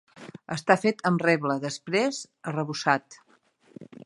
Està fet amb reble després arrebossat.